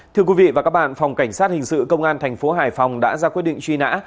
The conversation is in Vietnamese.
thưa quý vị và các bạn phòng cảnh sát hình sự công an thành phố hải phòng đã ra quyết định truy nã